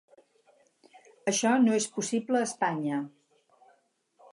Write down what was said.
I això no és possible a Espanya.